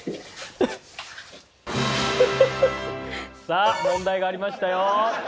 さあ問題がありましたよ。